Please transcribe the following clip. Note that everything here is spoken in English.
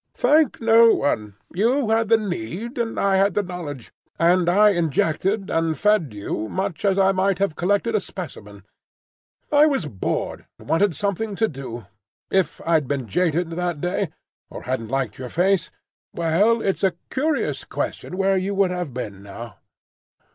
"Thank no one. You had the need, and I had the knowledge; and I injected and fed you much as I might have collected a specimen. I was bored and wanted something to do. If I'd been jaded that day, or hadn't liked your face, well—it's a curious question where you would have been now!"